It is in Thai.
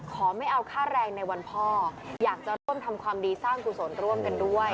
ไม่เอาค่าแรงในวันพ่ออยากจะร่วมทำความดีสร้างกุศลร่วมกันด้วย